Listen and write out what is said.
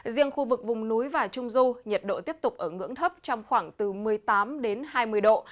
riêng khu vực vùng núi và trung du nhiệt độ tiếp tục ở ngưỡng thấp trong khoảng từ một mươi tám đến hai mươi độ